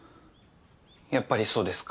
やっぱりそうですか。